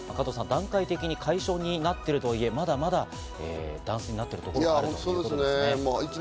段階的に解消になってるとはいえ、まだまだ断水になっているところがあるようですね。